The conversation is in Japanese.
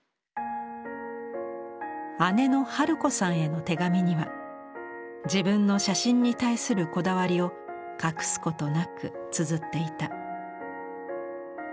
姉の春子さんへの手紙には自分の写真に対するこだわりを隠すことなくつづっていた。